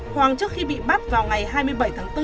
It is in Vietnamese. hoàng trước khi bị bắt vào ngày hai mươi bảy tháng bốn